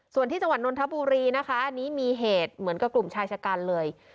ส่วนที่จังหวัดนนทบุรีนะคะอันนี้มีเหตุเหมือนกับกลุ่มชายชะกันเลย